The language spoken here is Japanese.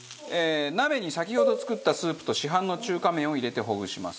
鍋に先ほど作ったスープと市販の中華麺を入れてほぐします。